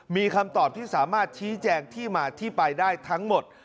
มีคำตอบที่สามารถชี้แจงที่มาที่ไปได้ทั้งหมด